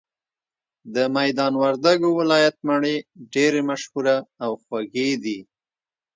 د ميدان وردګو ولايت مڼي ډيري مشهوره او خوږې دي